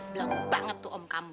bilang banget tuh om kamu